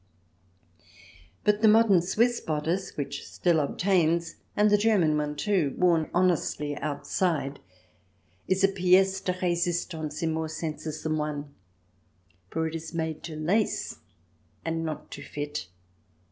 But the modern Swiss bodice which still obtains, and the German one too, worn honestly outside, is a piece de resistance in more senses than one, for it is made to lace and not to fit.